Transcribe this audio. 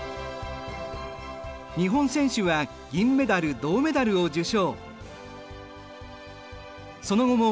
日本選手は銀メダル銅メダルを受賞。